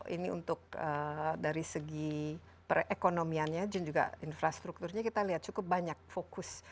ini untuk dari segi perekonomiannya dan juga infrastrukturnya kita lihat cukup banyak fokus